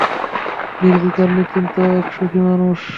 নির্বিকার নিশ্চিন্ত এক সুখী মানুষ।